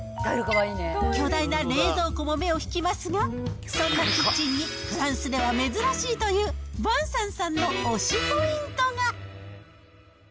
巨大な冷蔵庫も目を引きますが、そんなキッチンにフランスでは珍しいというヴァンサンさんの推しポイントが。